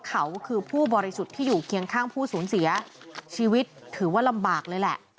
เขาคือผู้บริสุทธิ์ที่อยู่เคียงข้างผู้สูญเสียชีวิตถือว่าลำบากเลยแหละ